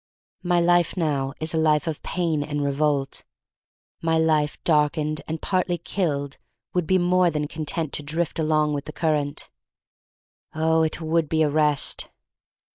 My life now is a life of pain and revolt. My life darkened and partly killed would be more than content to drift along with the current. Oh, it would be a rest!